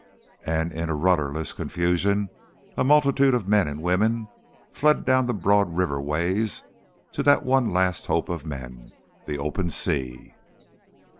And in a rudderless confusion a multitude of men and women fled down the broad river ways to that one last hope of men the open sea.